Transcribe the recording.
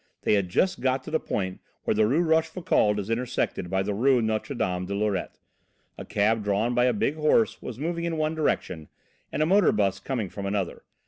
They had just got to the point where the Rue Rochefoucauld is intersected by the Rue Notre Dame de Lorette: a cab drawn by a big horse was moving in one direction and a motor bus coming from another.